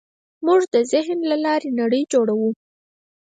موږ د ذهن له لارې نړۍ جوړوو.